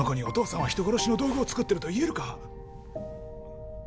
お父さんは人殺しの道具をつくってると言えるか？